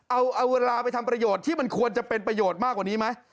เอาเวลาไปทำประโยชน์ที่มันควรจะเป็นประโยชน์มากกว่านี้ไหม